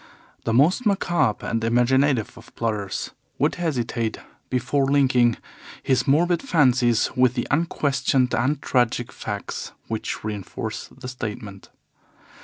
The most macabre and imaginative of plotters would hesitate before linking his morbid fancies with the unquestioned and tragic facts which reinforce the statement.